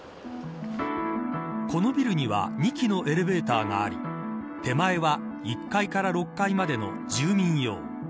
このビルには２基のエレベーターがあり手前は１階から６階までの住民用。